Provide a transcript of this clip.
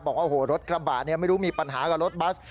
บอกว่ารถกรรมบาดไม่รู้มีปัญหากับรถบัส